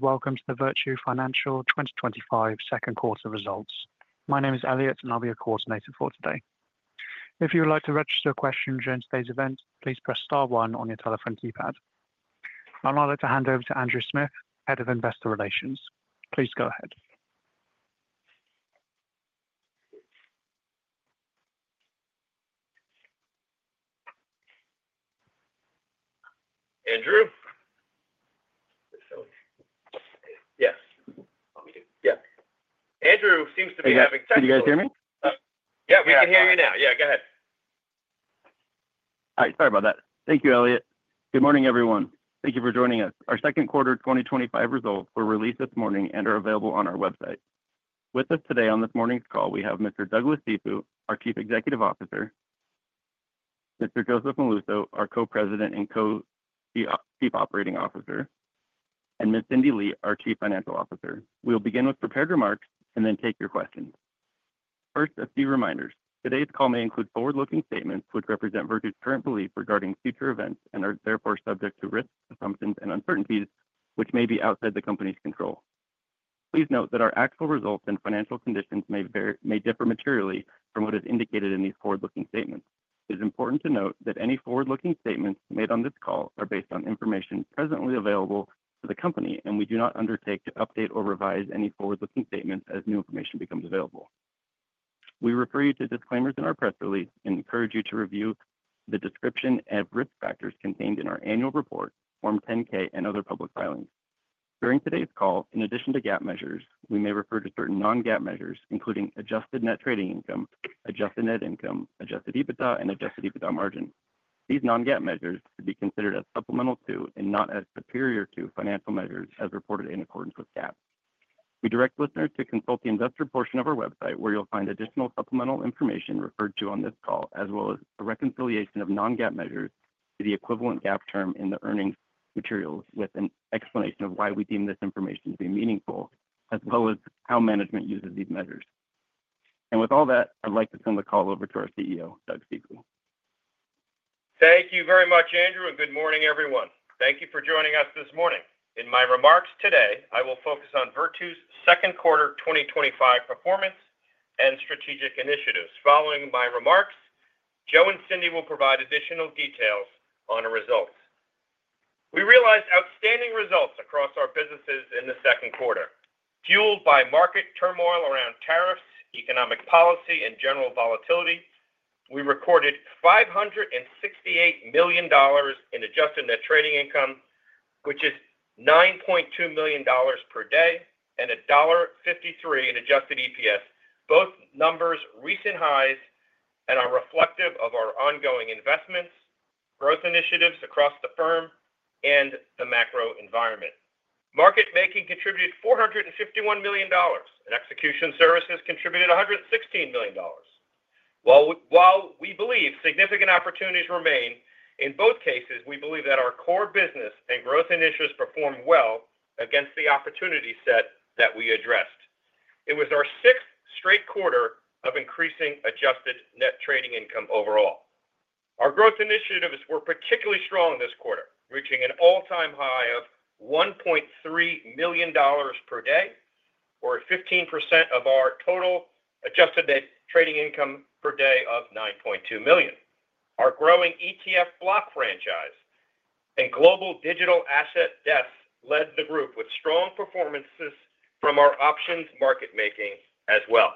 Welcome to the Virtu Financial 2025 second quarter results. My name is Elliot, and I'll be your coordinator for today. If you would like to register a question during today's event, please press star one on your telephone keypad. I'd like to hand over to Andrew Smith, Head of Investor Relations. Please go ahead. Andrew? Yes, Andrew seems to be having technical issues. Can you guys hear me? Yeah, we can hear you now. Go ahead. Hi, sorry about that. Thank you, Elliot. Good morning, everyone. Thank you for joining us. Our second quarter 2025 results were released this morning and are available on our website. With us today on this morning's call, we have Mr. Douglas Cifu, our Chief Executive Officer, Mr. Joseph Molluso, our Co-President and Co-Chief Operating Officer, and Ms. Cindy Lee, our Chief Financial Officer. We'll begin with prepared remarks and then take your questions. First, a few reminders. Today's call may include forward-looking statements which represent Virtu's current belief regarding future events and are therefore subject to risks, assumptions, and uncertainties which may be outside the company's control. Please note that our actual results and financial conditions may differ materially from what is indicated in these forward-looking statements. It is important to note that any forward-looking statements made on this call are based on information presently available to the company, and we do not undertake to update or revise any forward-looking statements as new information becomes available. We refer you to disclaimers in our press release and encourage you to review the description of risk factors contained in our annual report, Form 10-K, and other public filings. During today's call, in addition to GAAP measures, we may refer to certain non-GAAP measures, including Adjusted net trading income, Adjusted net income, Adjusted EBITDA, and Adjusted EBITDA margin. These non-GAAP measures should be considered as supplemental to and not as superior to financial measures as reported in accordance with GAAP. We direct listeners to consult the investor portion of our website, where you'll find additional supplemental information referred to on this call, as well as a reconciliation of non-GAAP measures to the equivalent GAAP term in the earnings materials, with an explanation of why we deem this information to be meaningful, as well as how management uses these measures. With all that, I'd like to turn the call over to our CEO, Douglas Cifu. Thank you very much, Andrew, and good morning, everyone. Thank you for joining us this morning. In my remarks today, I will focus on Virtu's second quarter 2025 performance and strategic initiatives. Following my remarks, Joe and Cindy will provide additional details on our results. We realized outstanding results across our businesses in the second quarter, fueled by market turmoil around tariffs, economic policy, and general volatility. We recorded $568 million in Adjusted net trading income, which is $9.2 million per day, and $1.53 in Adjusted EPS, both numbers recent highs and are reflective of our ongoing investments, growth initiatives across the firm, and the macro environment. Market making contributed $451 million, and execution services contributed $116 million. While we believe significant opportunities remain, in both cases, we believe that our core business and growth initiatives perform well against the opportunity set that we addressed. It was our sixth straight quarter of increasing Adjusted net trading income overall. Our growth initiatives were particularly strong this quarter, reaching an all-time high of $1.3 million per day, or 15% of our total Adjusted net trading income per day of $9.2 million. Our growing ETF block franchise and global digital asset desks led the group with strong performances from our options market making as well.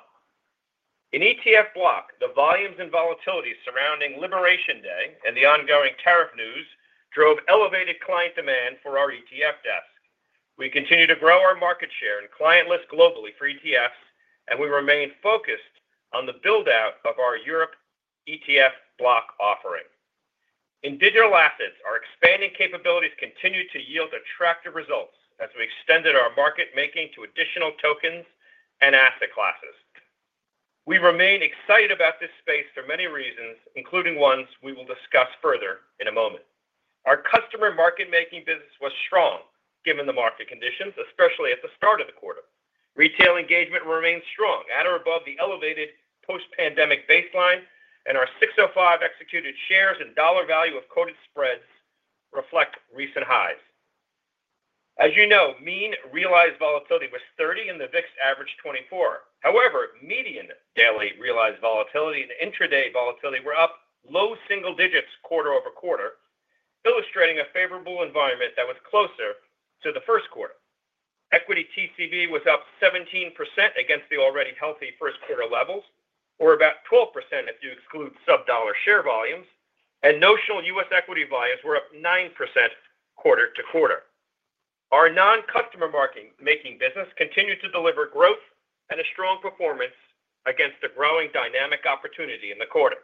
In ETF block, the volumes and volatility surrounding Liberation Day and the ongoing tariff news drove elevated client demand for our ETF desk. We continue to grow our market share and client list globally for ETFs, and we remain focused on the build-out of our Europe ETF block offering. In digital assets, our expanding capabilities continue to yield attractive results as we extended our market making to additional tokens and asset classes. We remain excited about this space for many reasons, including ones we will discuss further in a moment. Our customer market making business was strong given the market conditions, especially at the start of the quarter. Retail engagement remains strong, at or above the elevated post-pandemic baseline, and our 605 executed shares and dollar value of quoted spreads reflect recent highs. As you know, mean realized volatility was 30 and the VIX average 24. However, median daily realized volatility and intraday volatility were up low single digits quarter over quarter, illustrating a favorable environment that was closer to the first quarter. Equity TCV was up 17% against the already healthy first quarter levels, or about 12% if you exclude sub-dollar share volumes, and notional U.S. equity volumes were up 9% quarter to quarter. Our non-customer market making business continued to deliver growth and a strong performance against a growing dynamic opportunity in the quarter.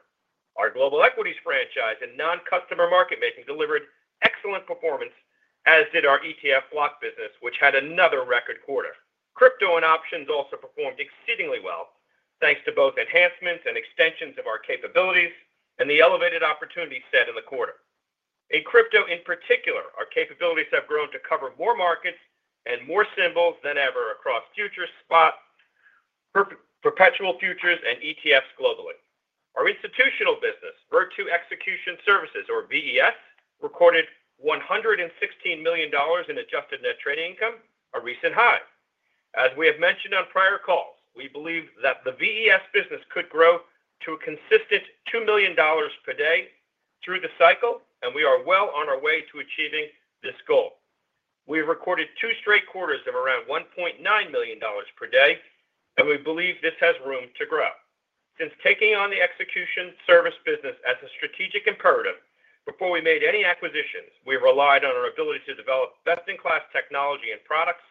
Our global equities franchise and non-customer market making delivered excellent performance, as did our ETF block business, which had another record quarter. Crypto and options also performed exceedingly well, thanks to both enhancements and extensions of our capabilities and the elevated opportunity set in the quarter. In crypto in particular, our capabilities have grown to cover more markets and more symbols than ever across futures, spot perpetual futures, and ETFs globally. Our institutional business, Virtu Execution Services, or VES, recorded $116 million in Adjusted net trading income, a recent high. As we have mentioned on prior calls, we believe that the VES business could grow to a consistent $2 million per day through the cycle, and we are well on our way to achieving this goal. We've recorded two straight quarters of around $1.9 million per day, and we believe this has room to grow. Since taking on the execution service business as a strategic imperative, before we made any acquisitions, we relied on our ability to develop best-in-class technology and products.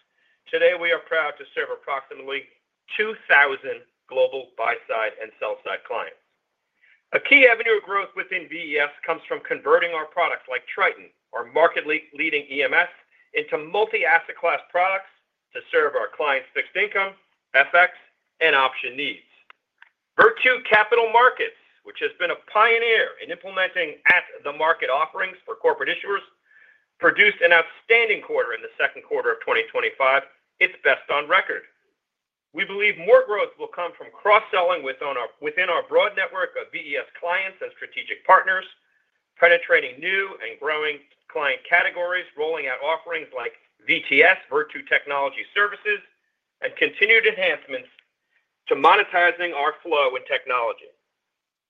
Today, we are proud to serve approximately 2,000 global buy-side and sell-side clients. A key avenue of growth within VES comes from converting our products like Triton, our market-leading EMS, into multi-asset class products to serve our clients' fixed income, FX, and option needs. Virtu Capital Markets, which has been a pioneer in implementing at-the-market offerings for corporate issuers, produced an outstanding quarter in the second quarter of 2025, its best on record. We believe more growth will come from cross-selling within our broad network of VES clients and strategic partners, penetrating new and growing client categories, rolling out offerings like VTS, Virtu Technology Services, and continued enhancements to monetizing our flow in technology.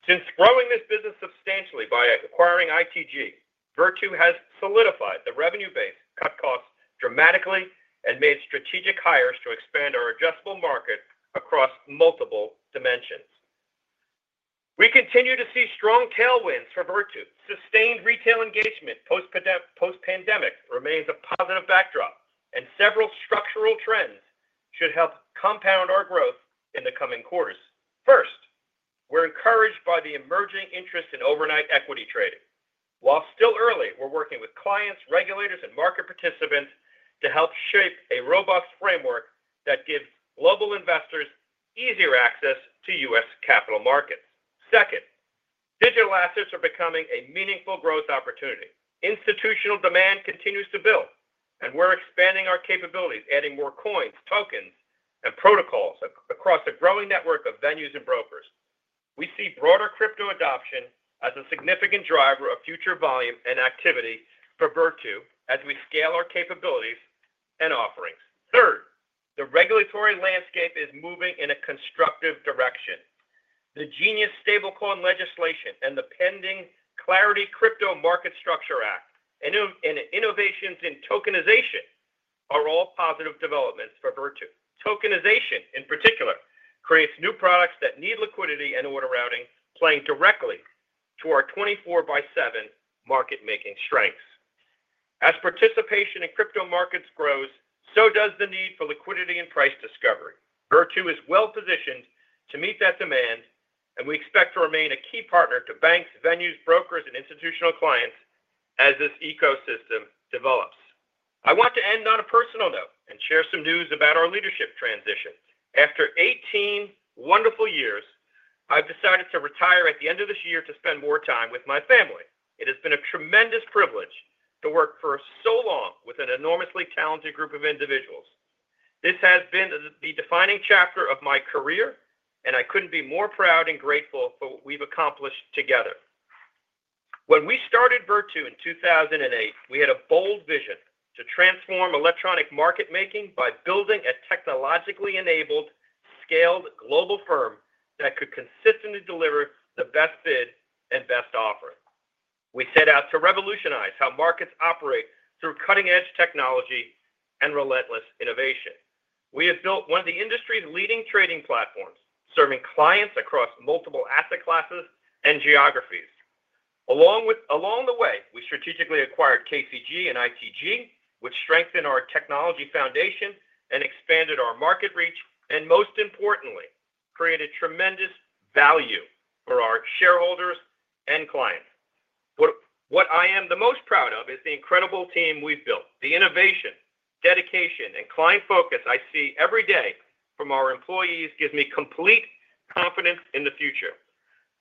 Since growing this business substantially by acquiring ITG, Virtu has solidified the revenue base, cut costs dramatically, and made strategic hires to expand our adjustable market across multiple dimensions. We continue to see strong tailwinds for Virtu. Sustained retail engagement post-pandemic remains a positive backdrop, and several structural trends should help compound our growth in the coming quarters. First, we're encouraged by the emerging interest in overnight equity trading. While still early, we're working with clients, regulators, and market participants to help shape a robust framework that gives global investors easier access to U.S. capital markets. Second, digital assets are becoming a meaningful growth opportunity. Institutional demand continues to build, and we're expanding our capabilities, adding more coins, tokens, and protocols across a growing network of venues and brokers. We see broader crypto adoption as a significant driver of future volume and activity for Virtu as we scale our capabilities and offerings. Third, the regulatory landscape is moving in a constructive direction. The Genius stablecoin legislation and the pending Clarity Crypto Market Structure Act and innovations in tokenization are all positive developments for Virtu. Tokenization, in particular, creates new products that need liquidity and order routing, playing directly to our 24 by 7 market making strengths. As participation in crypto markets grows, so does the need for liquidity and price discovery. Virtu is well positioned to meet that demand, and we expect to remain a key partner to banks, venues, brokers, and institutional clients as this ecosystem develops. I want to end on a personal note and share some news about our leadership transition. After 18 wonderful years, I've decided to retire at the end of this year to spend more time with my family. It has been a tremendous privilege to work for so long with an enormously talented group of individuals. This has been the defining chapter of my career, and I couldn't be more proud and grateful for what we've accomplished together. When we started Virtu in 2008, we had a bold vision to transform electronic market making by building a technologically enabled, scaled global firm that could consistently deliver the best bid and best offering. We set out to revolutionize how markets operate through cutting-edge technology and relentless innovation. We have built one of the industry's leading trading platforms, serving clients across multiple asset classes and geographies. Along the way, we strategically acquired KCG and ITG, which strengthened our technology foundation and expanded our market reach, and most importantly, created tremendous value for our shareholders and clients. What I am the most proud of is the incredible team we've built. The innovation, dedication, and client focus I see every day from our employees gives me complete confidence in the future.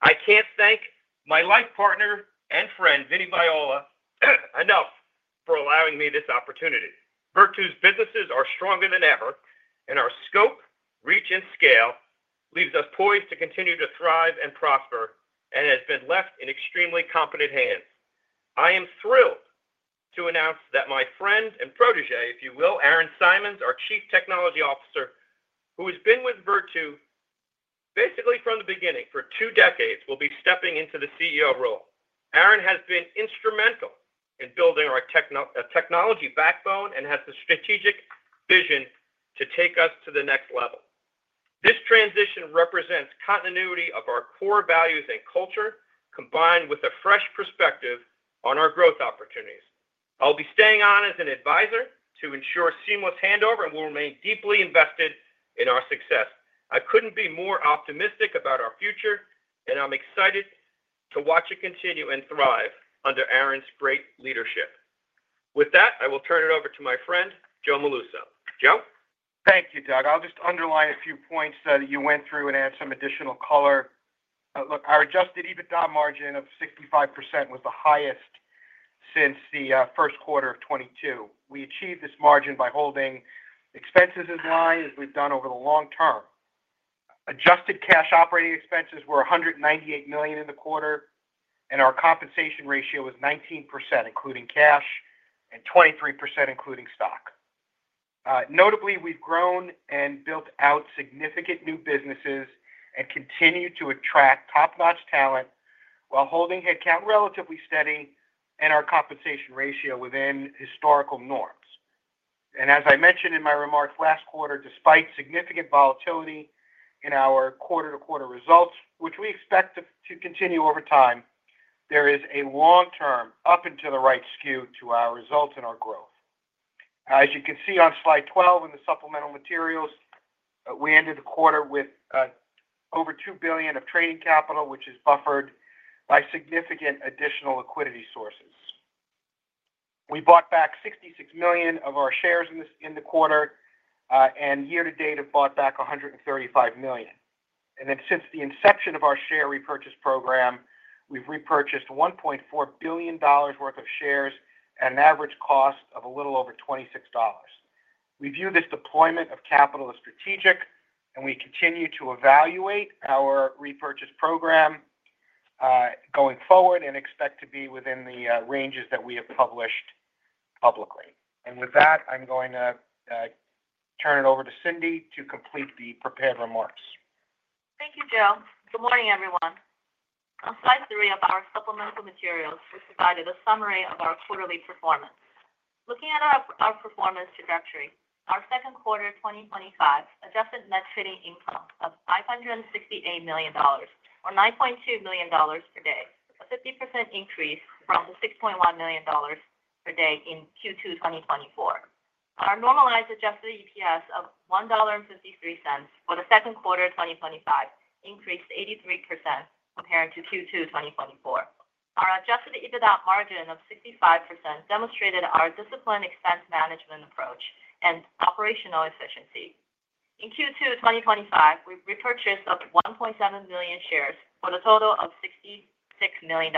I can't thank my life partner and friend Vinnie Viola enough for allowing me this opportunity. Virtu's businesses are stronger than ever, and our scope, reach, and scale leaves us poised to continue to thrive and prosper, and has been left in extremely competent hands. I am thrilled to announce that my friend and protege, if you will, Aaron Simons, our Chief Technology Officer, who has been with Virtu basically from the beginning for two decades, will be stepping into the CEO role. Aaron has been instrumental in building our technology backbone and has the strategic vision to take us to the next level. This transition represents continuity of our core values and culture, combined with a fresh perspective on our growth opportunities. I'll be staying on as an advisor to ensure seamless handover, and we'll remain deeply invested in our success. I couldn't be more optimistic about our future, and I'm excited to watch it continue and thrive under Aaron's great leadership. With that, I will turn it over to my friend Joe Molluso. Joe? Thank you, Doug. I'll just underline a few points that you went through and add some additional color. Look, our Adjusted EBITDA margin of 65% was the highest since the first quarter of 2022. We achieved this margin by holding expenses as line as we've done over the long term. Adjusted cash operating expenses were $198 million in the quarter, and our compensation ratio was 19% including cash and 23% including stock. Notably, we've grown and built out significant new businesses and continue to attract top-notch talent while holding headcount relatively steady and our compensation ratio within historical norms. As I mentioned in my remarks last quarter, despite significant volatility in our quarter-to-quarter results, which we expect to continue over time, there is a long term up and to the right skew to our results and our growth. As you can see on slide 12 in the supplemental materials, we ended the quarter with over $2 billion of trading capital, which is buffered by significant additional liquidity sources. We bought back $66 million of our shares in the quarter, and year to date have bought back $135 million. Since the inception of our share repurchase program, we've repurchased $1.4 billion worth of shares at an average cost of a little over $26. We view this deployment of capital as strategic, and we continue to evaluate our repurchase program going forward and expect to be within the ranges that we have published publicly. With that, I'm going to turn it over to Cindy to complete the prepared remarks. Thank you, Joe. Good morning, everyone. On slide three of our supplemental materials, we provided a summary of our quarterly performance. Looking at our performance trajectory, our second quarter 2025 Adjusted net trading income of $568 million, or $9.2 million per day, a 50% increase from the $6.1 million per day in Q2 2024. Our normalized Adjusted EPS of $1.53 for the second quarter of 2025 increased 83% compared to Q2 2024. Our Adjusted EBITDA margin of 65% demonstrated our disciplined expense management approach and operational efficiency. In Q2 2025, we repurchased 1.7 million shares for a total of $66 million.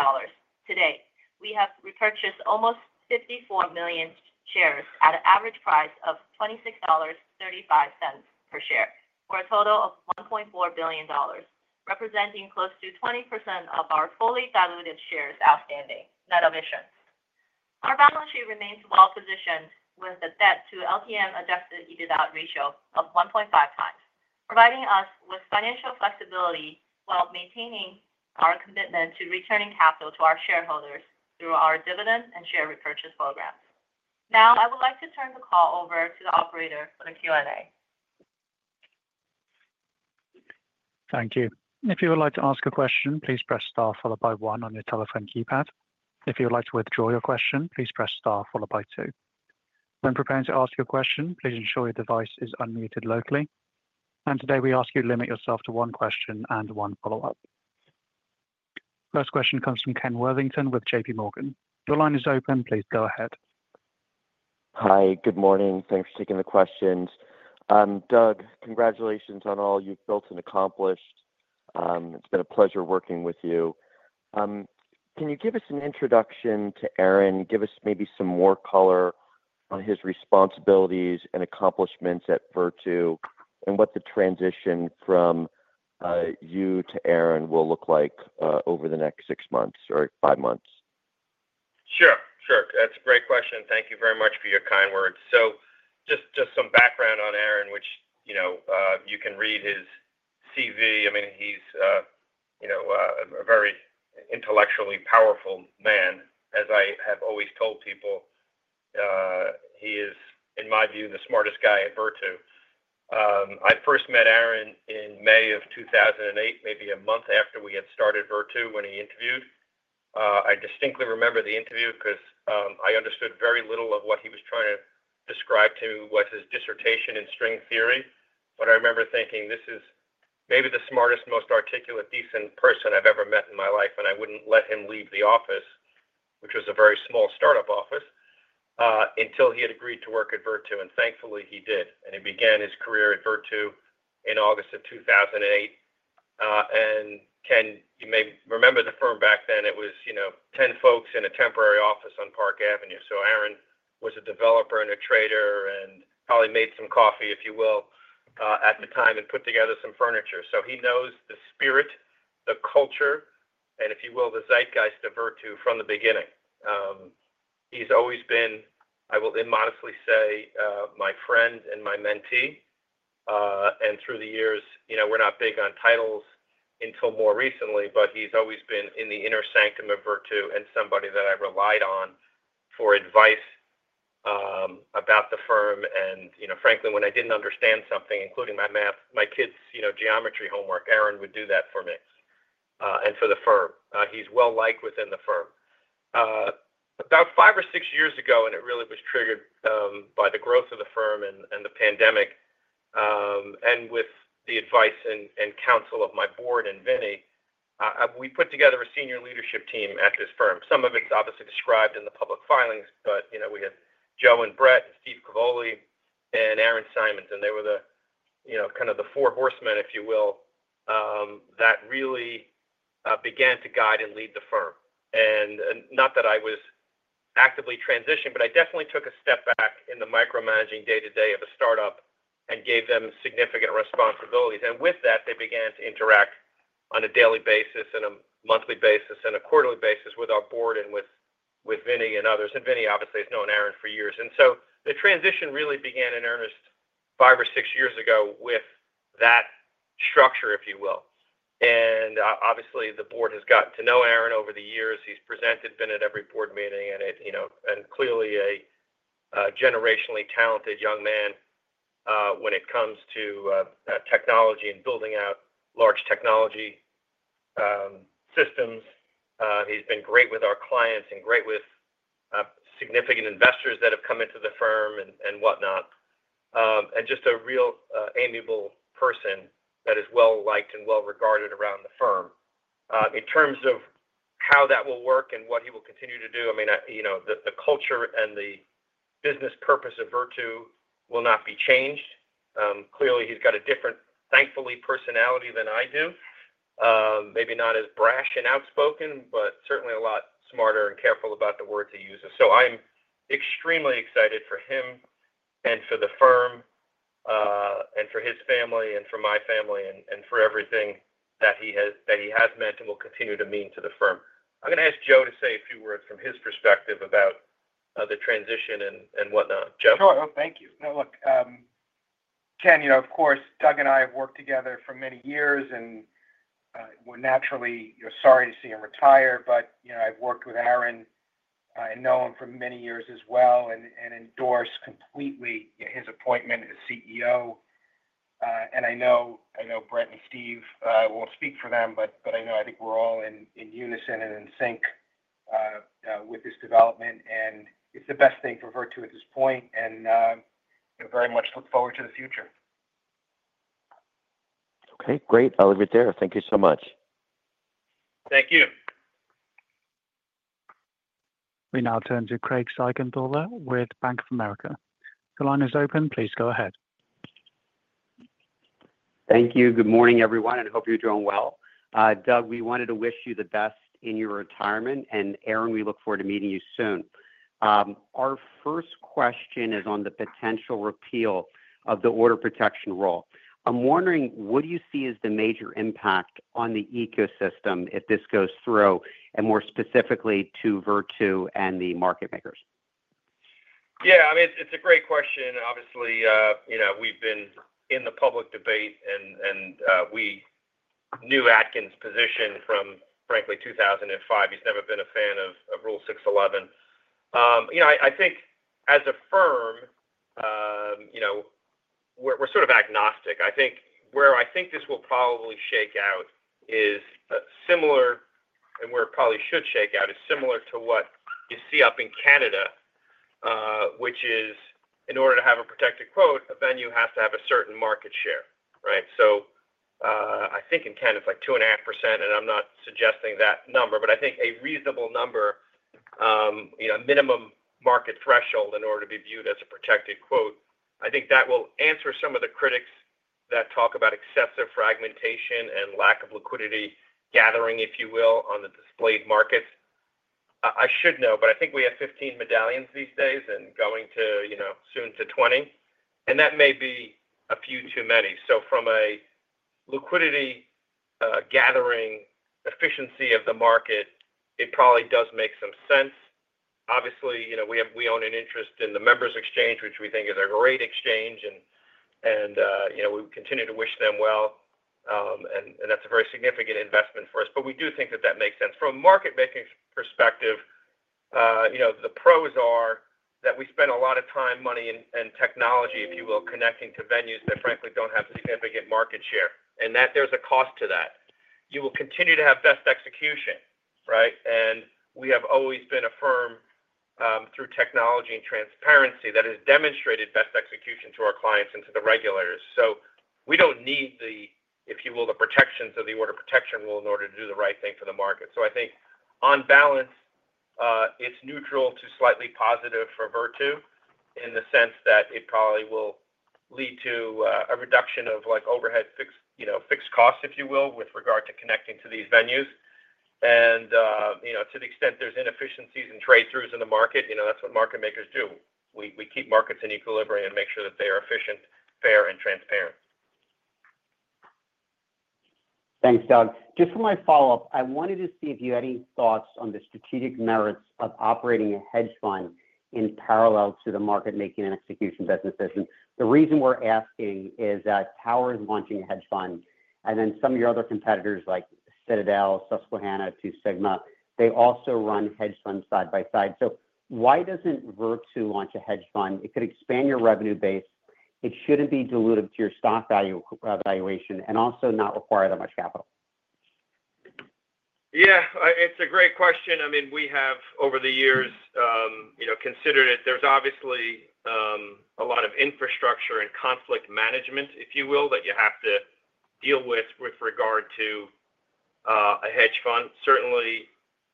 Today, we have repurchased almost 54 million shares at an average price of $26.35 per share for a total of $1.4 billion, representing close to 20% of our fully diluted shares outstanding net emissions. Our balance sheet remains well positioned with the debt-to-LTM Adjusted EBITDA ratio of 1.5 times, providing us with financial flexibility while maintaining our commitment to returning capital to our shareholders through our dividend and share repurchase programs. Now, I would like to turn the call over to the operator for the Q&A. Thank you. If you would like to ask a question, please press star followed by one on your telephone keypad. If you would like to withdraw your question, please press star followed by two. When preparing to ask your question, please ensure your device is unmuted locally. Today, we ask you to limit yourself to one question and one follow-up. First question comes from Ken Worthington with J.P. Morgan. Your line is open. Please go ahead. Hi, good morning. Thanks for taking the questions. Doug, congratulations on all you've built and accomplished. It's been a pleasure working with you. Can you give us an introduction to Aaron, give us maybe some more color on his responsibilities and accomplishments at Virtu, and what the transition from you to Aaron will look like over the next six months or five months? Sure, that's a great question. Thank you very much for your kind words. Just some background on Aaron, which, you know, you can read his CV. I mean, he's a very intellectually powerful man. As I have always told people, he is, in my view, the smartest guy at Virtu. I first met Aaron in May of 2008, maybe a month after we had started Virtu when he interviewed. I distinctly remember the interview because I understood very little of what he was trying to describe to me was his dissertation in string theory. I remember thinking, this is maybe the smartest, most articulate, decent person I've ever met in my life, and I wouldn't let him leave the office, which was a very small startup office, until he had agreed to work at Virtu. Thankfully, he did. He began his career at Virtu in August of 2008. Ken, you may remember the firm back then. It was 10 folks in a temporary office on Park Avenue. Aaron was a developer and a trader and probably made some coffee, if you will, at the time and put together some furniture. He knows the spirit, the culture, and, if you will, the zeitgeist of Virtu from the beginning. He's always been, I will immodestly say, my friend and my mentee. Through the years, you know, we're not big on titles until more recently, but he's always been in the inner sanctum of Virtu and somebody that I relied on for advice about the firm. Frankly, when I didn't understand something, including my math, my kids' geometry homework, Aaron would do that for me, and for the firm. He's well-liked within the firm. About five or six years ago, and it really was triggered by the growth of the firm and the pandemic, and with the advice and counsel of my board and Vinnie, we put together a senior leadership team at this firm. Some of it's obviously described in the public filings, but we had Joe and Brett and Steve Cavoli and Aaron Simons, and they were the four horsemen, if you will, that really began to guide and lead the firm. Not that I was actively transitioned, but I definitely took a step back in the micromanaging day-to-day of a startup and gave them significant responsibilities. With that, they began to interact on a daily basis, on a monthly basis, and a quarterly basis with our board and with Vinnie and others. Vinnie, obviously, has known Aaron for years. The transition really began in earnest five or six years ago with that structure, if you will. Obviously, the board has gotten to know Aaron over the years. He's presented, been at every board meeting, and is clearly a generationally talented young man when it comes to technology and building out large technology systems. He's been great with our clients and great with significant investors that have come into the firm and whatnot, and just a real amiable person that is well-liked and well-regarded around the firm. In terms of how that will work and what he will continue to do, the culture and the business purpose of Virtu will not be changed. Clearly, he's got a different, thankfully, personality than I do, maybe not as brash and outspoken, but certainly a lot smarter and careful about the words he uses. I'm extremely excited for him and for the firm, and for his family and for my family and for everything that he has meant and will continue to mean to the firm. I'm going to ask Joe to say a few words from his perspective about the transition and whatnot. Joe? Sure. Thank you. Now, look, Ken, of course, Doug and I have worked together for many years, and we're naturally sorry to see him retire, but I've worked with Aaron. I know him for many years as well and endorse completely his appointment as CEO. I know Brett and Steve, won't speak for them, but I know I think we're all in unison and in sync with this development. It's the best thing for Virtu at this point. I very much look forward to the future. Okay. Great. I'll leave it there. Thank you so much. Thank you. We now turn to Craig Siegenthaler with Bank of America. Your line is open. Please go ahead. Thank you. Good morning, everyone. I hope you're doing well. Doug, we wanted to wish you the best in your retirement. And Aaron, we look forward to meeting you soon. Our first question is on the potential repeal of the Order Protection Rule. I'm wondering, what do you see as the major impact on the ecosystem if this goes through, and more specifically to Virtu and the market makers? Yeah, I mean, it's a great question. Obviously, we've been in the public debate and we knew Atkins' position from, frankly, 2005. He's never been a fan of Rule 611. I think as a firm, we're sort of agnostic. I think where this will probably shake out is similar, and where it probably should shake out is similar to what you see up in Canada, which is in order to have a protected quote, a venue has to have a certain market share, right? I think in Canada, it's like 2.5%, and I'm not suggesting that number, but I think a reasonable number, a minimum market threshold in order to be viewed as a protected quote. I think that will answer some of the critics that talk about excessive fragmentation and lack of liquidity gathering, if you will, on the displayed markets. I should know, but I think we have 15 medallions these days and going to soon to 20. That may be a few too many. From a liquidity gathering efficiency of the market, it probably does make some sense. Obviously, we own an interest in the Members Exchange, which we think is a great exchange, and we continue to wish them well. That's a very significant investment for us. We do think that makes sense. From a market-making perspective, the pros are that we spend a lot of time, money, and technology, if you will, connecting to venues that frankly don't have significant market share, and there's a cost to that. You will continue to have best execution, right? We have always been a firm, through technology and transparency, that has demonstrated best execution to our clients and to the regulators. We don't need the protections of the Order Protection Rule in order to do the right thing for the market. I think on balance, it's neutral to slightly positive for Virtu in the sense that it probably will lead to a reduction of overhead fixed costs, if you will, with regard to connecting to these venues. To the extent there's inefficiencies and trade-throughs in the market, that's what market makers do. We keep markets in equilibrium and make sure that they are efficient, fair, and transparent. Thanks, Doug. For my follow-up, I wanted to see if you had any thoughts on the strategic merits of operating a hedge fund in parallel to the market making and execution businesses. The reason we're asking is that Tower is launching a hedge fund. Some of your other competitors like Citadel, Susquehanna, and Two Sigma also run hedge funds side by side. Why doesn't Virtu launch a hedge fund? It could expand your revenue base. It shouldn't be dilutive to your stock valuation and also not require that much capital. Yeah, it's a great question. We have over the years considered it. There's obviously a lot of infrastructure and conflict management, if you will, that you have to deal with with regard to a hedge fund. Certainly,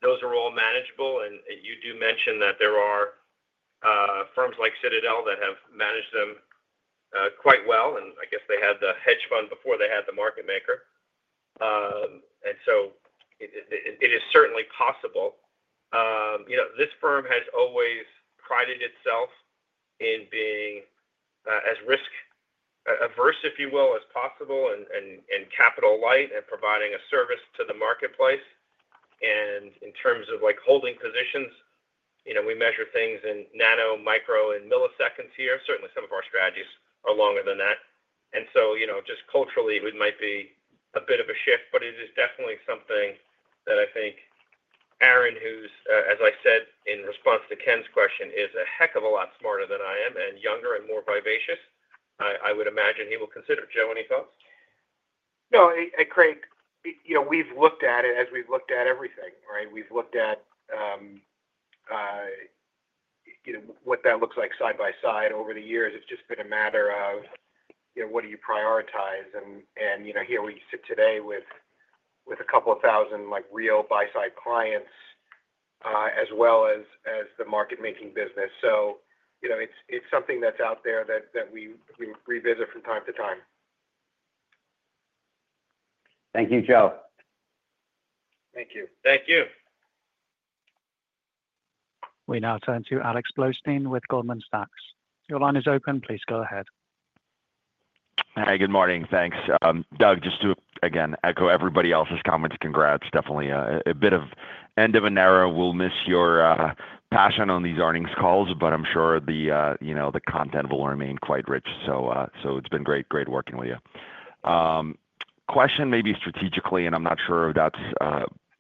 those are all manageable. You do mention that there are firms like Citadel that have managed them quite well. I guess they had the hedge fund before they had the market maker. It is certainly possible. This firm has always prided itself in being as risk-averse, if you will, as possible and capital light and providing a service to the marketplace. In terms of holding positions, we measure things in nano, micro, and milliseconds here. Certainly, some of our strategies are longer than that. Culturally, it might be a bit of a shift, but it is definitely something that I think Aaron, who's, as I said in response to Ken's question, is a heck of a lot smarter than I am and younger and more vivacious, I would imagine he will consider. Joe, any thoughts? No, Craig, we've looked at it as we've looked at everything, right? We've looked at what that looks like side by side over the years. It's just been a matter of what do you prioritize? Here we sit today with a couple of thousand real buy-side clients, as well as the market-making business. It's something that's out there that we revisit from time to time. Thank you, Joe. Thank you. Thank you. We now turn to Alex Blostein with Goldman Sachs. Your line is open. Please go ahead. Hi, good morning. Thanks. Doug, just to again echo everybody else's comments, congrats. Definitely a bit of end of an era. We'll miss your passion on these earnings calls, but I'm sure the content will remain quite rich. It's been great, great working with you. Question maybe strategically, and I'm not sure if that's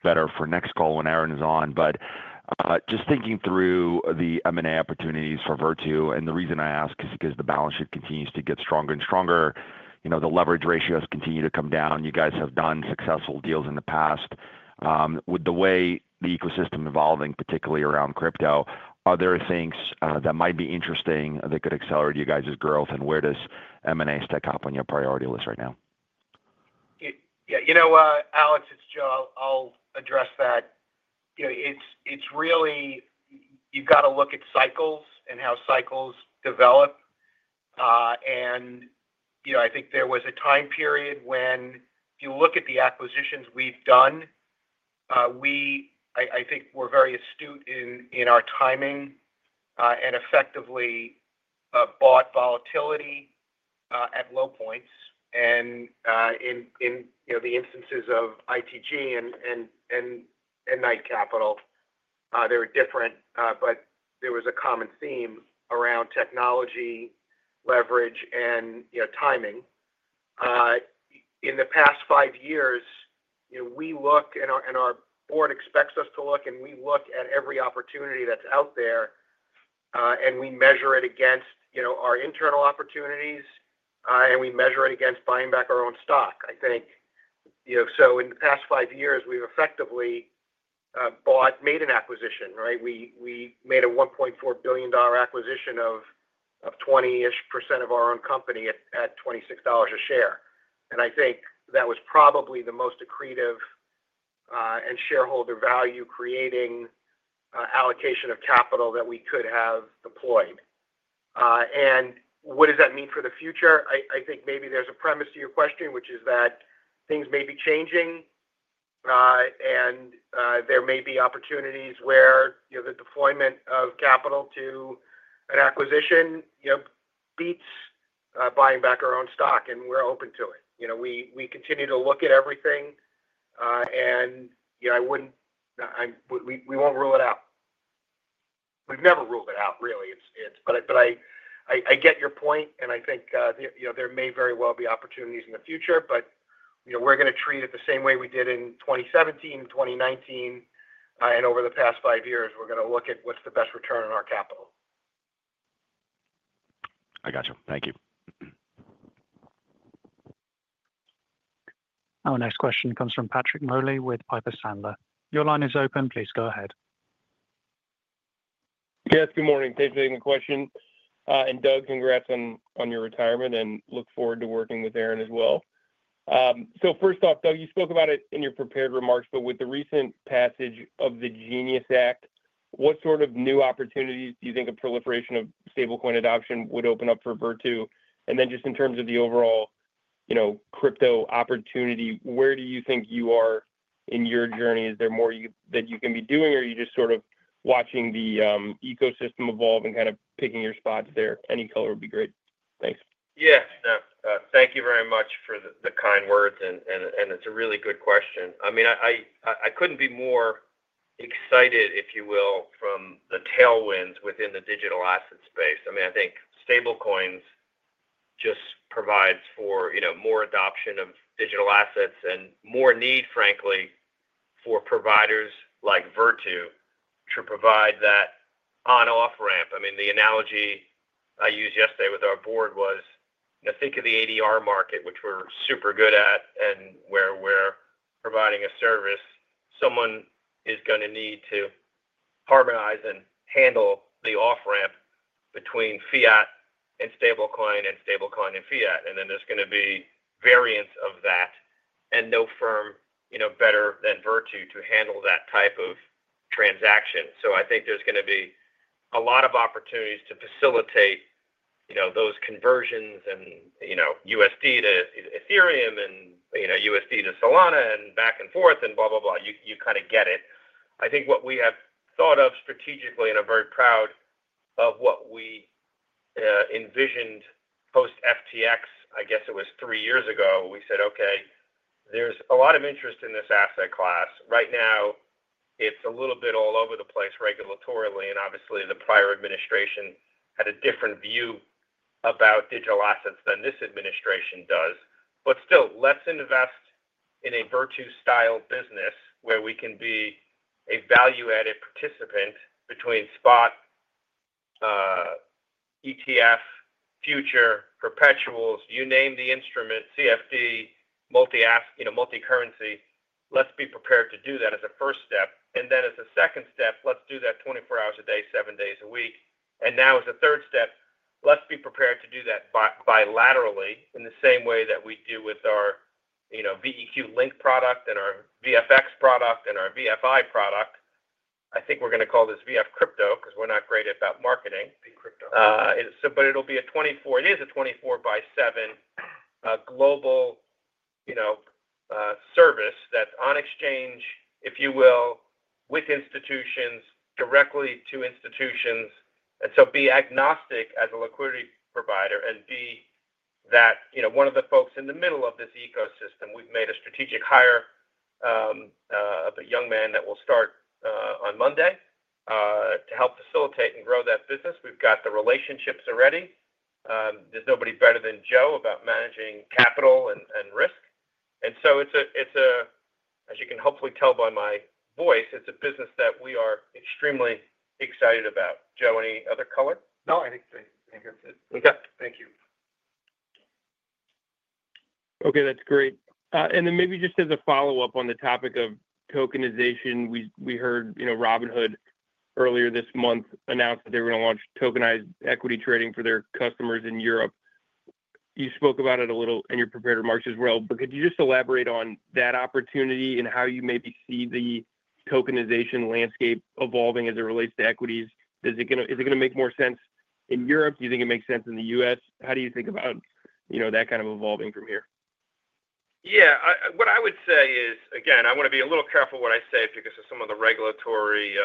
better for next call when Aaron is on, but just thinking through the M&A opportunities for Virtu. The reason I ask is because the balance sheet continues to get stronger and stronger. The leverage ratios continue to come down. You guys have done successful deals in the past. With the way the ecosystem is evolving, particularly around crypto, are there things that might be interesting that could accelerate you guys' growth and where does M&A stack up on your priority list right now? Yeah, you know, Alex, it's Joe. I'll address that. You know, it's really, you've got to look at cycles and how cycles develop. I think there was a time period when if you look at the acquisitions we've done, I think we were very astute in our timing, and effectively bought volatility at low points. In the instances of ITG and Knight Capital, they were different, but there was a common theme around technology, leverage, and timing. In the past five years, we look, and our board expects us to look, and we look at every opportunity that's out there, and we measure it against our internal opportunities, and we measure it against buying back our own stock, I think. In the past five years, we've effectively bought, made an acquisition, right? We made a $1.4 billion acquisition of 20% of our own company at $26 a share. I think that was probably the most accretive and shareholder value-creating allocation of capital that we could have deployed. What does that mean for the future? I think maybe there's a premise to your question, which is that things may be changing, and there may be opportunities where the deployment of capital to an acquisition beats buying back our own stock, and we're open to it. We continue to look at everything, and I wouldn't, we won't rule it out. We've never ruled it out, really. I get your point, and I think there may very well be opportunities in the future, but we're going to treat it the same way we did in 2017, 2019, and over the past five years. We're going to look at what's the best return on our capital. I got you. Thank you. Our next question comes from Patrick Moley with Piper Sandler. Your line is open. Please go ahead. Yes, good morning. Thanks for taking the question. Doug, congrats on your retirement and look forward to working with Aaron as well. First off, Doug, you spoke about it in your prepared remarks, but with the recent passage of the Genius Act, what sort of new opportunities do you think a proliferation of stablecoin adoption would open up for Virtu Financial? In terms of the overall crypto opportunity, where do you think you are in your journey? Is there more that you can be doing, or are you just sort of watching the ecosystem evolve and kind of picking your spots there? Any color would be great. Thanks. Thank you very much for the kind words, and it's a really good question. I couldn't be more excited, if you will, from the tailwinds within the digital asset space. I think stablecoins just provide for more adoption of digital assets and more need, frankly, for providers like Virtu to provide that on-off ramp. The analogy I used yesterday with our board was, think of the ADR market, which we're super good at, and where we're providing a service. Someone is going to need to harmonize and handle the off-ramp between fiat and stablecoin and stablecoin and fiat. There are going to be variants of that, and no firm better than Virtu to handle that type of transaction. I think there's going to be a lot of opportunities to facilitate those conversions and USD-Ethereum and USD-Solana and back and forth and blah, blah, blah. You kind of get it. What we have thought of strategically, and I'm very proud of what we envisioned post-FTX, I guess it was three years ago, we said, okay, there's a lot of interest in this asset class. Right now, it's a little bit all over the place regulatorily, and obviously, the prior administration had a different view about digital assets than this administration does. Still, let's invest in a Virtu-style business where we can be a value-added participant between spot, ETF, future, perpetuals, you name the instrument, CFD, multi-currency. Let's be prepared to do that as a first step. As a second step, let's do that 24 hours a day, seven days a week. Now as a third step, let's be prepared to do that bilaterally in the same way that we do with our VEQ Link product and our VFX product and our VFI product. I think we're going to call this VF Crypto because we're not great about marketing. VF Crypto. It is a 24 by 7, global service that's on exchange, if you will, with institutions, directly to institutions. It will be agnostic as a liquidity provider and be that, you know, one of the folks in the middle of this ecosystem. We've made a strategic hire of a young man that will start on Monday to help facilitate and grow that business. We've got the relationships already. There's nobody better than Joe about managing capital and risk. As you can hopefully tell by my voice, it's a business that we are extremely excited about. Joe, any other color? No, I think that's it. Okay. Thank you. Okay, that's great. Maybe just as a follow-up on the topic of tokenization, we heard, you know, Robinhood earlier this month announced that they were going to launch tokenized equity trading for their customers in Europe. You spoke about it a little in your prepared remarks as well, but could you just elaborate on that opportunity and how you maybe see the tokenization landscape evolving as it relates to equities? Is it going to make more sense in Europe? Do you think it makes sense in the U.S.? How do you think about, you know, that kind of evolving from here? Yeah, what I would say is, again, I want to be a little careful what I say because of some of the regulatory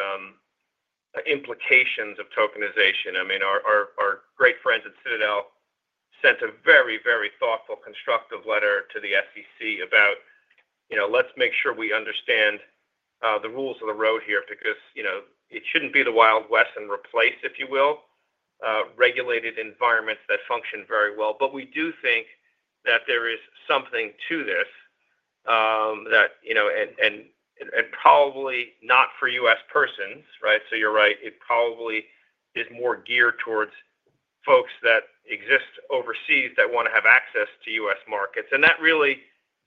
implications of tokenization. I mean, our great friends at Citadel sent a very, very thoughtful, constructive letter to the SEC about, you know, let's make sure we understand the rules of the road here because, you know, it shouldn't be the Wild West and replace, if you will, regulated environments that function very well. We do think that there is something to this, that, you know, and probably not for U.S. persons, right? You're right. It probably is more geared towards folks that exist overseas that want to have access to U.S. markets. That really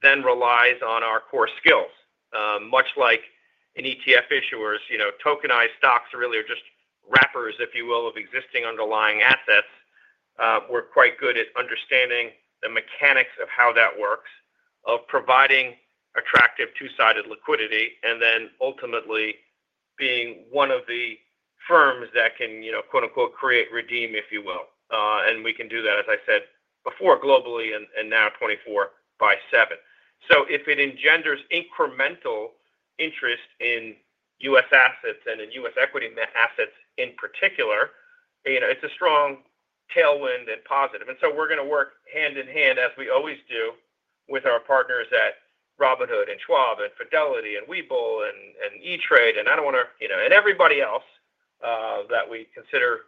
then relies on our core skills, much like an ETF issuer. Tokenized stocks really are just wrappers, if you will, of existing underlying assets. We're quite good at understanding the mechanics of how that works, of providing attractive two-sided liquidity, and then ultimately being one of the firms that can, you know, quote-unquote, "create redeem," if you will. We can do that, as I said before, globally and now 24/7. If it engenders incremental interest in U.S. assets and in U.S. equity assets in particular, it's a strong tailwind and positive. We're going to work hand in hand, as we always do, with our partners at Robinhood and Schwab and Fidelity and Webull and E*TRADE and everybody else that we consider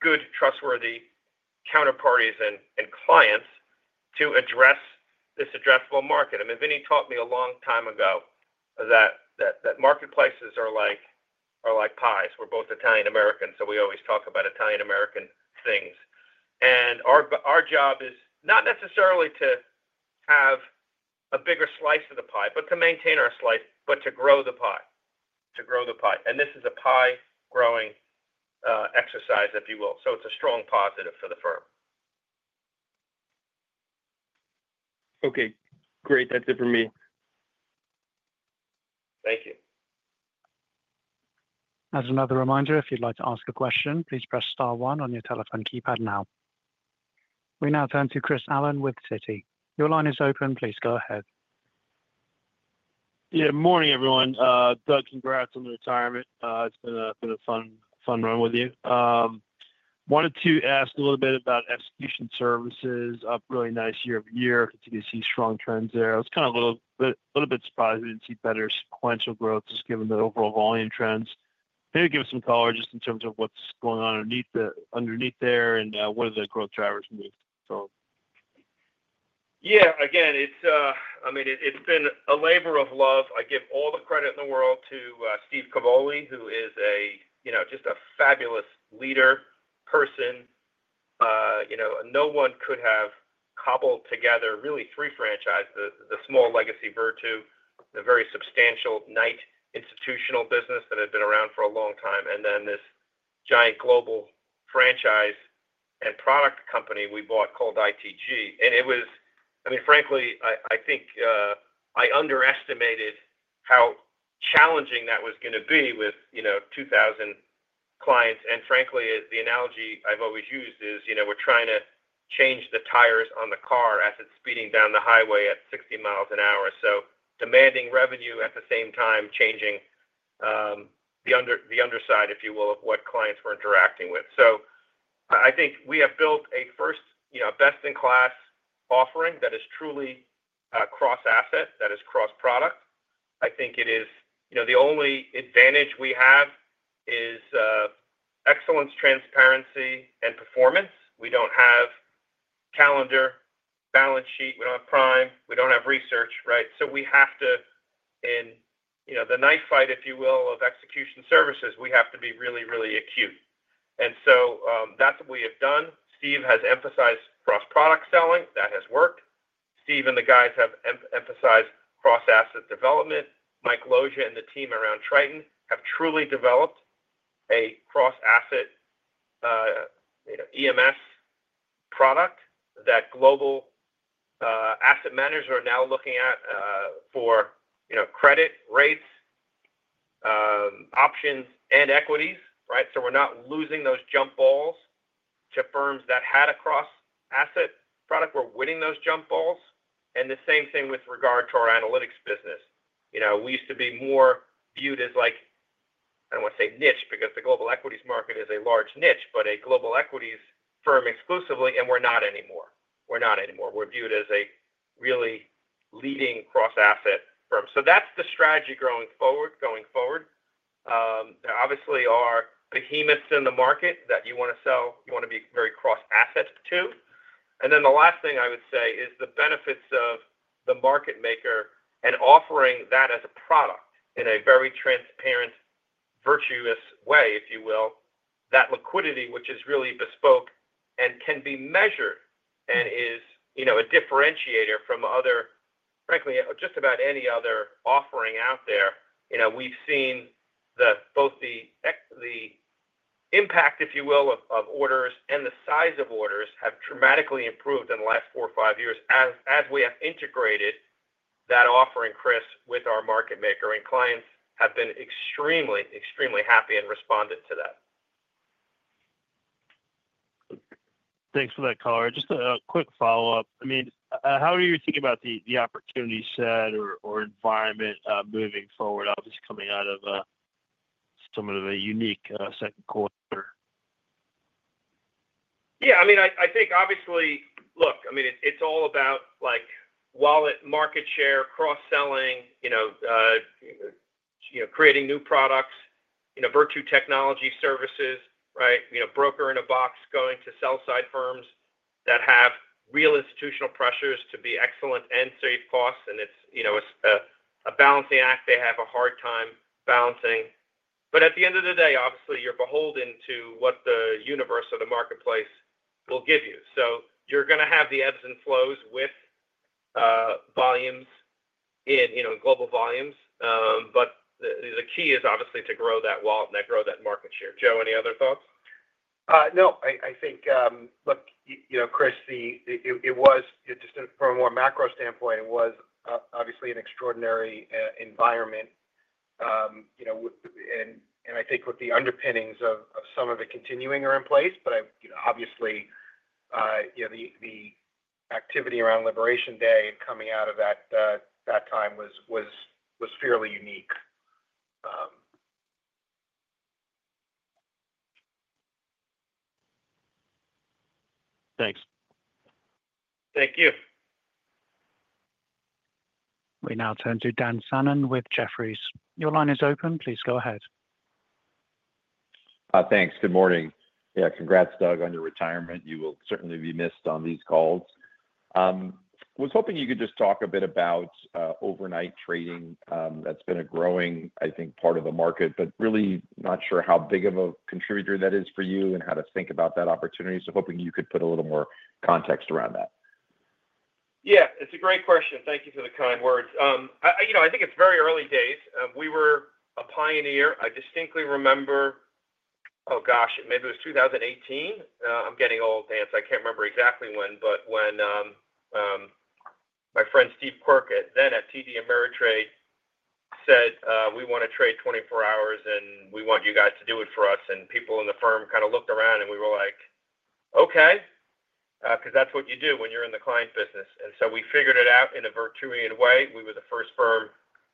good, trustworthy counterparties and clients to address this addressable market. Vinnie taught me a long time ago that marketplaces are like pies. We're both Italian American, so we always talk about Italian American things. Our job is not necessarily to have a bigger slice of the pie, but to maintain our slice, but to grow the pie, to grow the pie. This is a pie-growing exercise, if you will. It's a strong positive for the firm. Okay. Great. That's it for me. Thank you. As another reminder, if you'd like to ask a question, please press star one on your telephone keypad now. We now turn to Chris Allen with Citi. Your line is open. Please go ahead. Yeah, good morning, everyone. Doug, congrats on the retirement. It's been a fun run with you. Wanted to ask a little bit about execution services. Up really nice year over year. Continue to see strong trends there. I was kind of a little bit surprised we didn't see better sequential growth just given the overall volume trends. Maybe give us some color just in terms of what's going on underneath there and what are the growth drivers moving forward? Yeah, again, it's been a labor of love. I give all the credit in the world to Steve Cavoli, who is a, you know, just a fabulous leader, person. No one could have cobbled together really three franchises: the small legacy Virtu, the very substantial Knight institutional business that had been around for a long time, and then this giant global franchise and product company we bought called ITG. Frankly, I think I underestimated how challenging that was going to be with 2,000 clients. The analogy I've always used is, you know, we're trying to change the tires on the car as it's speeding down the highway at 60 miles an hour. Demanding revenue at the same time, changing the underside, if you will, of what clients we're interacting with. I think we have built a first, best-in-class offering that is truly cross-asset, that is cross-product. I think the only advantage we have is excellence, transparency, and performance. We don't have a calendar, balance sheet. We don't have Prime. We don't have research, right? In the knife fight, if you will, of execution services, we have to be really, really acute. That's what we have done. Steve has emphasized cross-product selling. That has worked. Steve and the guys have emphasized cross-asset development. Mike Logue and the team around Triton have truly developed a cross-asset EMS product that global asset managers are now looking at for credit, rates, options, and equities, right? We're not losing those jump balls to firms that had a cross-asset product. We're winning those jump balls. The same thing with regard to our analytics business. We used to be more viewed as like, I don't want to say niche because the global equities market is a large niche, but a global equities firm exclusively, and we're not anymore. We're not anymore. We're viewed as a really leading cross-asset firm. That's the strategy going forward. There obviously are behemoths in the market that you want to sell. You want to be very cross-asset too. The last thing I would say is the benefits of the market maker and offering that as a product in a very transparent, virtuous way, if you will, that liquidity, which is really bespoke and can be measured and is a differentiator from just about any other offering out there. We've seen both the impact, if you will, of orders and the size of orders have dramatically improved in the last four or five years as we have integrated that offering, Chris, with our market maker. Clients have been extremely, extremely happy and responded to that. Thanks for that color. Just a quick follow-up. How do you think about the opportunity set or environment moving forward, obviously coming out of somewhat of a unique second quarter? Yeah, I mean, I think obviously, look, I mean, it's all about wallet market share, cross-selling, creating new products, Virtu Technology Services, right? You know, broker-in-a-box going to sell-side firms that have real institutional pressures to be excellent and save costs. It's a balancing act. They have a hard time balancing. At the end of the day, obviously, you're beholden to what the universe or the marketplace will give you. You're going to have the ebbs and flows with volumes in global volumes. The key is obviously to grow that wallet and grow that market share. Joe, any other thoughts? No, I think, look, you know, Chris, it was just from a more macro standpoint, it was obviously an extraordinary environment. I think with the underpinnings of some of it continuing are in place, but I, you know, obviously, the activity around Liberation Day and coming out of that time was fairly unique. Thanks. Thank you. We now turn to Dan Fannon with Jefferies. Your line is open. Please go ahead. Thanks. Good morning. Yeah, congrats, Doug, on your retirement. You will certainly be missed on these calls. I was hoping you could just talk a bit about overnight equity trading. That's been a growing, I think, part of the market, but really not sure how big of a contributor that is for you and how to think about that opportunity. Hoping you could put a little more context around that. Yeah, it's a great question. Thank you for the kind words. I think it's very early days. We were a pioneer. I distinctly remember, oh gosh, maybe it was 2018. I'm getting old, Dan, so I can't remember exactly when, but when my friend Steve Berk, then at TD Ameritrade, said we want to trade 24 hours and we want you guys to do it for us. People in the firm kind of looked around and we were like, okay, because that's what you do when you're in the client business. We figured it out in a Virtuian way. We were the first firm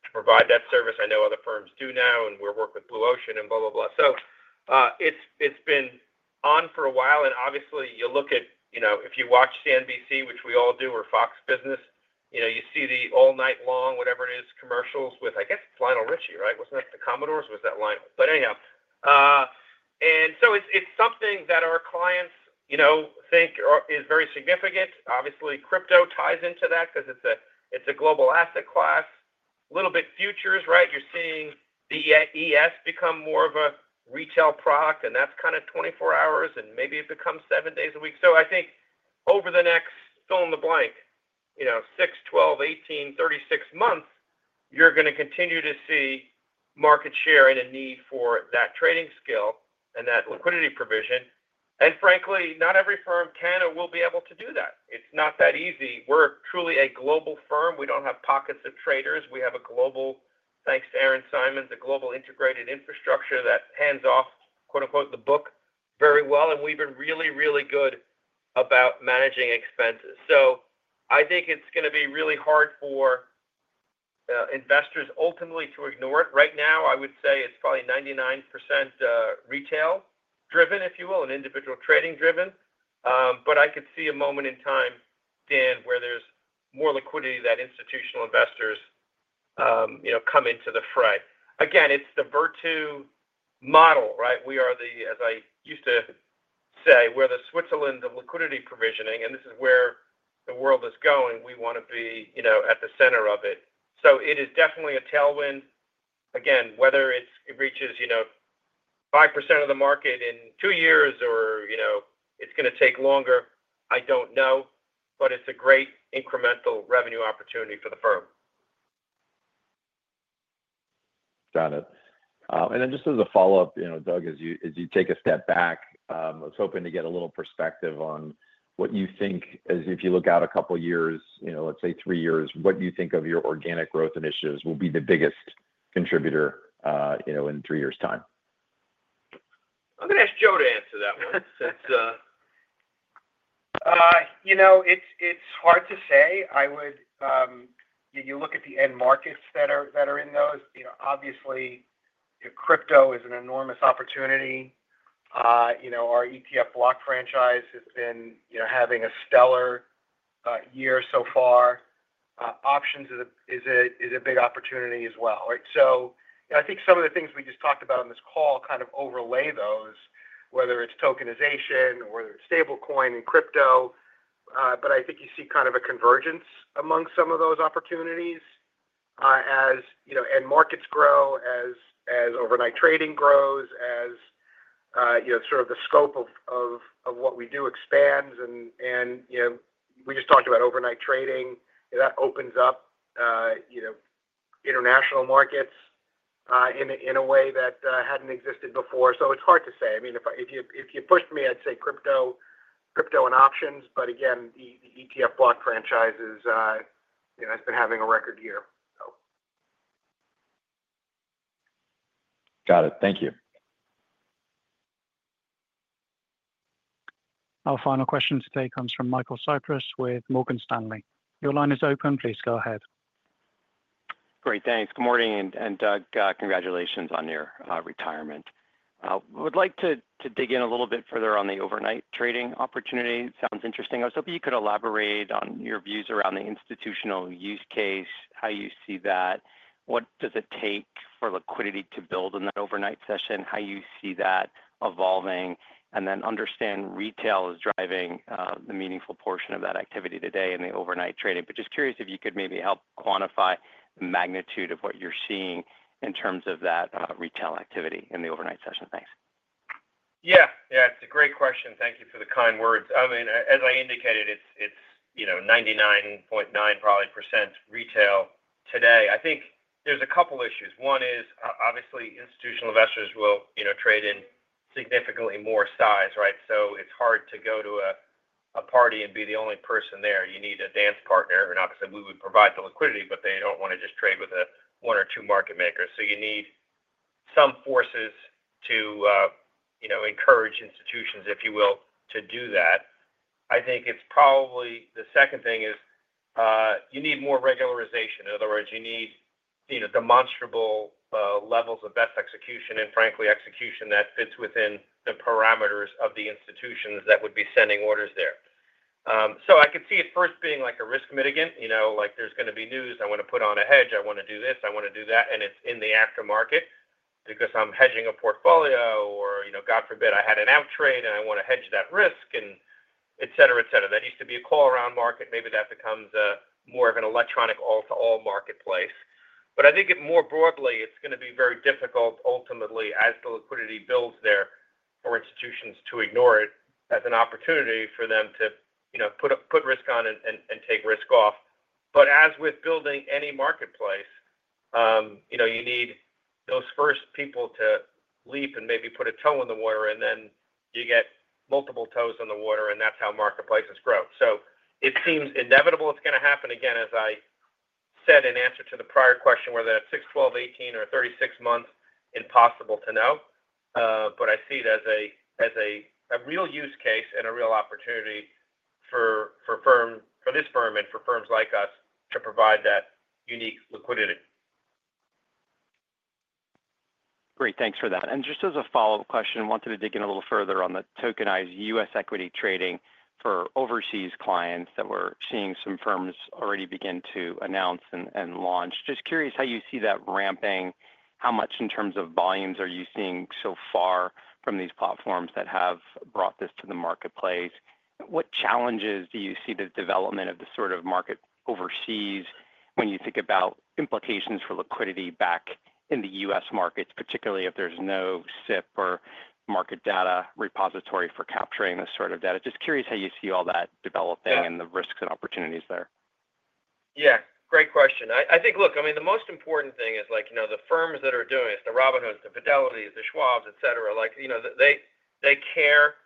to provide that service. I know other firms do now and we're working with Blue Ocean and blah, blah, blah. It's been on for a while. Obviously, you look at, if you watch CNBC, which we all do, or Fox Business, you see the all-night long, whatever it is, commercials with, I guess, Lionel Richie, right? Wasn't that the Commodores? Was that Lionel? Anyhow, it's something that our clients think is very significant. Obviously, crypto ties into that because it's a global asset class. A little bit futures, right? You're seeing the ES become more of a retail product, and that's kind of 24 hours, and maybe it becomes seven days a week. I think over the next, fill in the blank, 6, 12, 18, 36 months, you're going to continue to see market share and a need for that trading skill and that liquidity provision. Frankly, not every firm can or will be able to do that. It's not that easy. We're truly a global firm. We don't have pockets of traders. We have a global, thanks to Aaron Simons, a global integrated infrastructure that hands off, quote-unquote, "the book" very well. We've been really, really good about managing expenses. I think it's going to be really hard for investors ultimately to ignore it. Right now, I would say it's probably 99% retail-driven, if you will, and individual trading-driven. I could see a moment in time, Dan, where there's more liquidity that institutional investors come into the fray. Again, it's the Virtu model, right? We are the, as I used to say, we're the Switzerland of liquidity provisioning, and this is where the world is going. We want to be at the center of it. It is definitely a tailwind. Again, whether it reaches 5% of the market in two years or it's going to take longer, I don't know, but it's a great incremental revenue opportunity for the firm. Got it. Just as a follow-up, Doug, as you take a step back, I was hoping to get a little perspective on what you think, if you look out a couple of years, let's say three years, what you think of your organic growth initiatives will be the biggest contributor in three years' time. I'm going to ask Joe to answer that one. You know, it's hard to say. I would, you look at the end markets that are in those. Obviously, you know, crypto is an enormous opportunity. You know, our ETF block franchise has been having a stellar year so far. Options is a big opportunity as well, right? I think some of the things we just talked about on this call kind of overlay those, whether it's tokenization or whether it's stablecoin and crypto. I think you see kind of a convergence among some of those opportunities as end markets grow, as overnight trading grows, as sort of the scope of what we do expands. We just talked about overnight trading. That opens up international markets in a way that hadn't existed before. It's hard to say. I mean, if you pushed me, I'd say crypto and options. Again, the ETF block franchise has been having a record year. Got it. Thank you. Our final question today comes from Michael Cyprys with Morgan Stanley. Your line is open. Please go ahead. Great, thanks. Good morning. Doug, congratulations on your retirement. I would like to dig in a little bit further on the overnight trading opportunity. Sounds interesting. I was hoping you could elaborate on your views around the institutional use case, how you see that, what does it take for liquidity to build in that overnight session, how you see that evolving, and then understand retail is driving the meaningful portion of that activity today in the overnight trading. Just curious if you could maybe help quantify the magnitude of what you're seeing in terms of that retail activity in the overnight session. Thanks. Yeah, it's a great question. Thank you for the kind words. I mean, as I indicated, it's 99.9% retail today. I think there's a couple of issues. One is, obviously, institutional investors will trade in significantly more size, right? It's hard to go to a party and be the only person there. You need a dance partner. Obviously, we would provide the liquidity, but they don't want to just trade with one or two market makers. You need some forces to encourage institutions, if you will, to do that. I think probably the second thing is, you need more regularization. In other words, you need demonstrable levels of best execution and, frankly, execution that fits within the parameters of the institutions that would be sending orders there. I could see it first being like a risk mitigant. There's going to be news. I want to put on a hedge. I want to do this. I want to do that. It's in the aftermarket because I'm hedging a portfolio or, God forbid, I had an outtrade and I want to hedge that risk and etc., etc. That used to be a call-around market. Maybe that becomes more of an electronic all-to-all marketplace. I think more broadly, it's going to be very difficult ultimately as the liquidity builds there for institutions to ignore it as an opportunity for them to put risk on and take risk off. As with building any marketplace, you need those first people to leap and maybe put a toe in the water, and then you get multiple toes in the water, and that's how marketplaces grow. It seems inevitable it's going to happen. Again, as I said in answer to the prior question, whether that's 6, 12, 18, or 36 months, impossible to know. I see it as a real use case and a real opportunity for this firm and for firms like us to provide that unique liquidity. Great, thanks for that. Just as a follow-up question, I wanted to dig in a little further on the tokenized U.S. equity trading for overseas clients that we're seeing some firms already begin to announce and launch. Just curious how you see that ramping. How much in terms of volumes are you seeing so far from these platforms that have brought this to the marketplace? What challenges do you see the development of the sort of market overseas when you think about implications for liquidity back in the U.S. markets, particularly if there's no SIP or market data repository for capturing this sort of data? Just curious how you see all that developing and the risks and opportunities there. Great question. I think the most important thing is, the firms that are doing this, the Robinhoods, the Fidelities, the Schwabs, etc., they care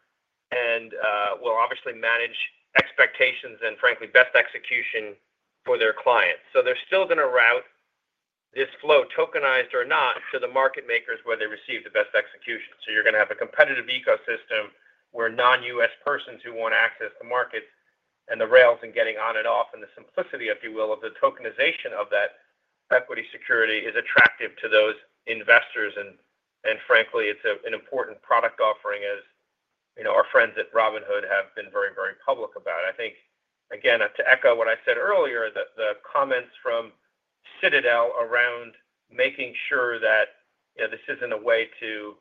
and will obviously manage expectations and, frankly, best execution for their clients. They're still going to route this flow, tokenized or not, to the market makers where they receive the best execution. You're going to have a competitive ecosystem where non-U.S. persons who want to access the markets and the rails and getting on and off and the simplicity, if you will, of the tokenization of that equity security is attractive to those investors. Frankly, it's an important product offering as our friends at Robinhood have been very, very public about it. I think, again, to echo what I said earlier, the comments from Citadel around making sure that this isn't a way to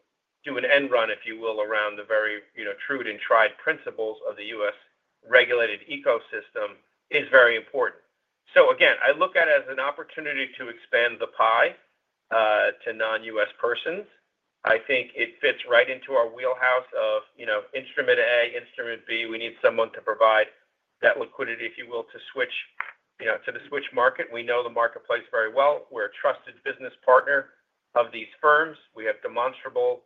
do an end run, if you will, around the very true and tried principles of the U.S. regulated ecosystem is very important. I look at it as an opportunity to expand the pie to non-U.S. persons. I think it fits right into our wheelhouse of instrument A, instrument B. We need someone to provide that liquidity, if you will, to the switch market. We know the marketplace very well. We're a trusted business partner of these firms. We have demonstrable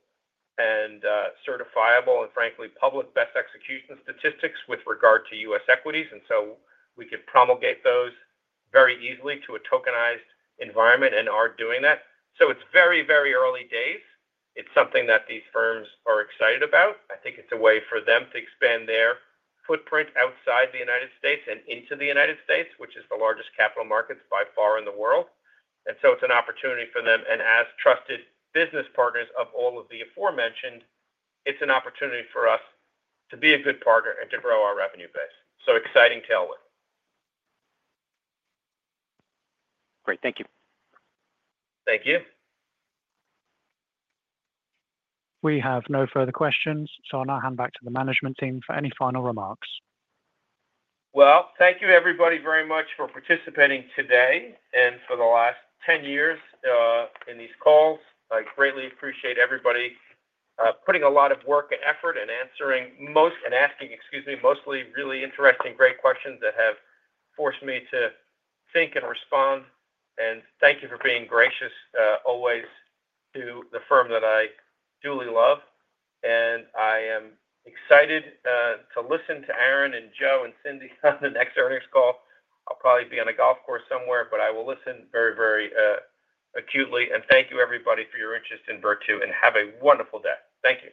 and certifiable and, frankly, public best execution statistics with regard to U.S. equities. We could promulgate those very easily to a tokenized environment and are doing that. It's very, very early days. It's something that these firms are excited about. I think it's a way for them to expand their footprint outside the United States and into the United States, which is the largest capital markets by far in the world. It's an opportunity for them. As trusted business partners of all of the aforementioned, it's an opportunity for us to be a good partner and to grow our revenue base. Exciting tailwind. Great. Thank you. Thank you. We have no further questions, so I'll now hand back to the management team for any final remarks. Thank you everybody very much for participating today and for the last 10 years in these calls. I greatly appreciate everybody putting a lot of work and effort and asking mostly really interesting, great questions that have forced me to think and respond. Thank you for being gracious, always to the firm that I duly love. I am excited to listen to Aaron and Joe and Cindy on the next earnings call. I'll probably be on a golf course somewhere, but I will listen very, very acutely. Thank you everybody for your interest in Virtu and have a wonderful day. Thank you.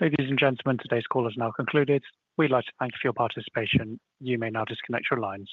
Ladies and gentlemen, today's call is now concluded. We'd like to thank you for your participation. You may now disconnect your lines.